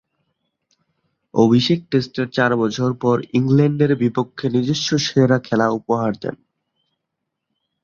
অভিষেক টেস্টের চার বছর পর ইংল্যান্ডের বিপক্ষে নিজস্ব সেরা খেলা উপহার দেন।